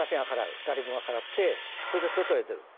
２人分払ってそれで外へ出る。